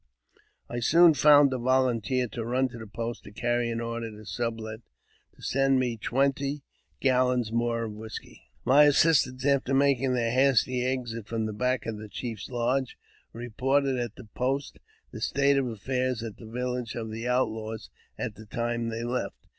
I soon found a volunteer to run to the post to carry an order Sublet to send me twenty gallons more of whisky. My assistants, after making their hasty exit from the back of the chief's lodge, reported at the post the state of affairs at the village of the Outlaws at the time they left.